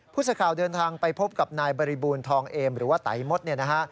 ผู้สื่อข่าวเดินทางไปพบกับนายบริบูรณทองเอมหรือว่าไตมดเนี่ยนะฮะ